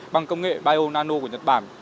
bằng công nghệ bio nano của nhật bản